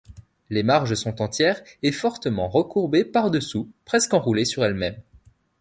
Les marges sont entière et fortement recourbées par-dessous, presque enroulées sur elles-mêmes.